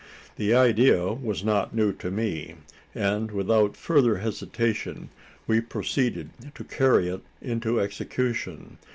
The idea was not new to me; and without further hesitation, we proceeded to carry it into execution.